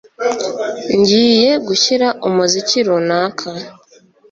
Ngiye gushyira umuziki runaka